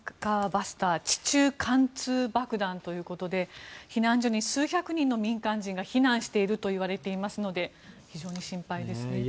バスター地中貫通爆弾ということで避難所に数百人の民間人が避難しているといわれていますので非常に心配ですね。